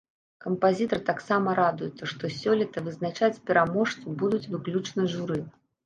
Кампазітар таксама радуецца, што сёлета вызначаць пераможцу будуць выключна журы.